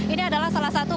ini adalah salah satu